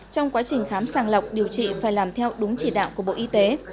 trong quá trình khám sàng lọc điều trị phải làm theo đúng chỉ đạo của bộ y tế